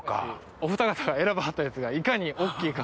おふた方が選ばはったやつがいかに大っきいか。